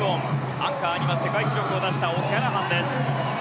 アンカーには世界記録を出したオキャラハンです。